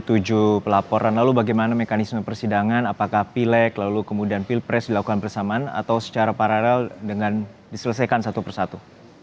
ada dua ratus tujuh puluh tujuh pelaporan lalu bagaimana mekanisme persidangan apakah pilek lalu kemudian flip press dilakukan bersamaan atau secara paralel dengan diselesaikan satu persatu